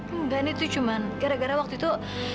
enggak ini tuh cuman gara gara waktu itu